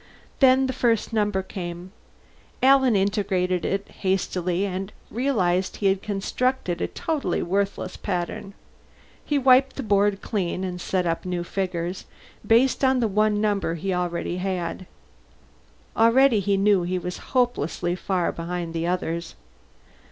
Then the first number came. Alan integrated it hastily and realized he had constructed a totally worthless pattern; he wiped his board clean and set up new figures, based on the one number he had. Already, he knew, he was hopelessly far behind the others.